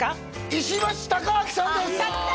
石橋貴明さんですやった！